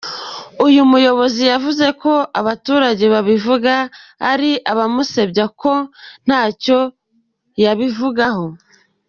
Uyu muyobozi yavuze ko aba baturage babivuga ari abamusebya ko ntacyo yabivugaho.